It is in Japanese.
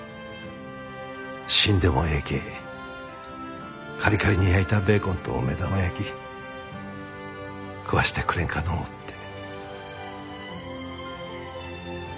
「死んでもええけえカリカリに焼いたベーコンと目玉焼き食わしてくれんかのお」って。